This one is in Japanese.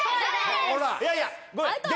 いやいやごめん。